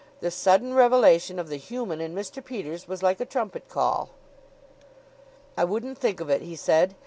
This sudden revelation of the human in Mr. Peters was like a trumpet call. "I wouldn't think of it," he said.